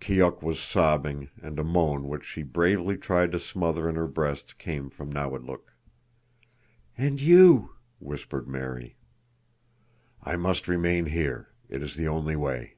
Keok was sobbing, and a moan which she bravely tried to smother in her breast came from Nawadlook. "And you!" whispered Mary. "I must remain here. It is the only way."